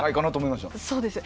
そうです。